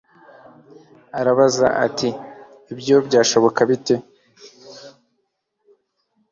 Arabaza ati: “Ibyo byashoboka bite?”